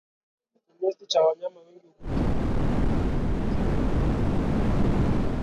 Kinyesi cha wanyama wenye ugonjwa wa miguu na midomo yakigusana na wanyama wazima hueneza ugonjwa